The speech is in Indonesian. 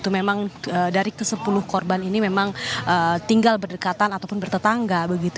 memang dari ke sepuluh korban ini memang tinggal berdekatan ataupun bertetangga